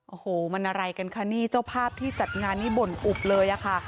โอ้โหมันอะไรกันคะนี่เจ้าภาพที่จัดงานนี่บ่นอุบเลยอะค่ะ